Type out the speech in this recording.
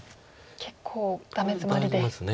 結構ダメヅマリで。